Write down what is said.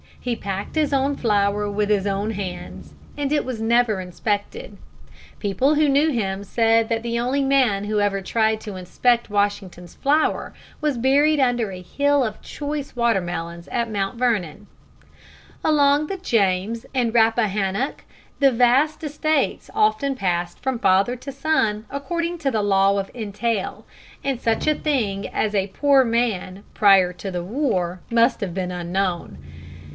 He packed his own flour with his own hands, and it was never inspected. People who knew him said that the only man who ever tried to inspect Washington's flour was buried under a hill of choice watermelons at Mount Vernon. Along the James and Rappahannock the vast estates often passed from father to son according to the law of entail, and such a thing as a poor man "prior to the war" must have been unknown. [Illustration: NOT RICH BEFORE THE WAR.